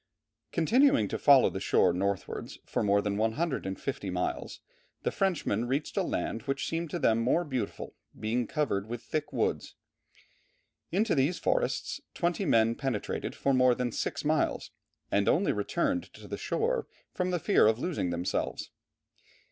Continuing to follow the shore northwards for more than 150 miles, the Frenchmen reached a land which seemed to them more beautiful, being covered with thick woods. Into these forests, twenty men penetrated for more than six miles and only returned to the shore from the fear of losing themselves.